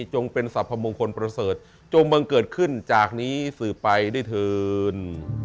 จงเป็นสรรพมงคลประเสริฐจงบังเกิดขึ้นจากนี้สืบไปด้วยเถิน